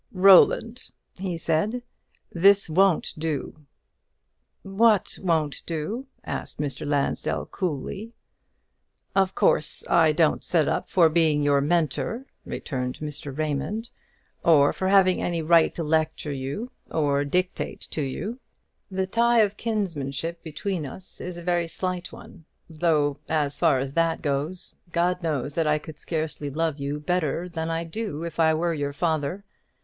"Roland," he said, "this won't do!" "What won't do?" asked Mr. Lansdell, coolly. "Of course, I don't set up for being your Mentor," returned Mr. Raymond, "or for having any right to lecture you, or dictate to you. The tie of kinsmanship between us is a very slight one: though, as far as that goes, God knows that I could scarcely love you better than I do, if I were your father.